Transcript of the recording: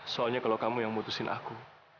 soalnya kalau kamu yang mutusin aku